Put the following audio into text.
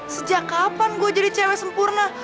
sejak kapan gue jadi cewek sempurna